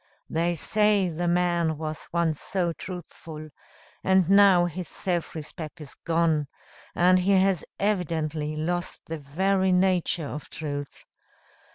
They say the man was once so truthful, and now his self respect is gone; and he has evidently lost the very nature of truth.